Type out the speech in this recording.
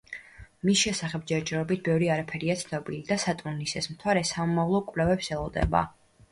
მის შესახებ ჯერჯერობით ბევრი არაფერია ცნობილი და სატურნის ეს მთვარე სამომავლო კვლევებს ელოდება.